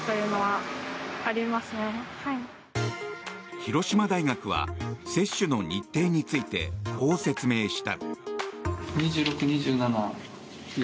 広島大学は接種の日程についてこう説明した。